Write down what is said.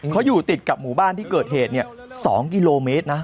เขาอยู่ติดกับหมู่บ้านที่เกิดเหตุ๒กิโลเมตรนะ